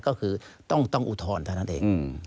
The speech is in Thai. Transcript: ก็คือต้องอุทธรณ์เท่านั้นเอง